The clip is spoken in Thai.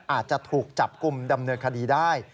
อาจจะถูกจับกลุ่มดำเนินคดีได้